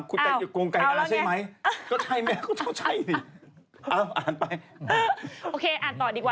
โมเมจะไม่ยุ่งเรื่องนี้